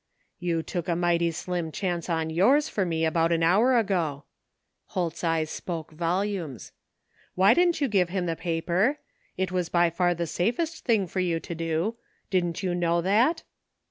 " You took a mighty slim chance on yoiir's for me about an hour ago." Holt's eyes spoke volumes. " Why I didn't you give him the paper? It was by far the safest thing for you to do. Didn't you know that